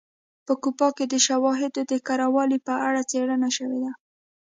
په کوپان کې د شواهدو د کره والي په اړه څېړنه شوې ده